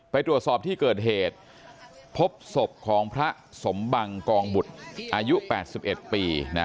ไปตรวจสอบที่เกิดเหตุพบศพของพระสมบังกองบุตรอายุ๘๑ปี